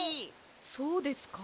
そうですか？